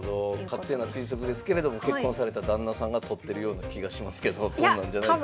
勝手な推測ですけれども結婚された旦那さんが撮ってるような気がしますけどそんなんじゃないですか？